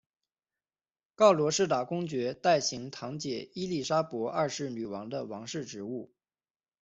告罗士打公爵代行堂姐伊利莎伯二世女王的王室职务。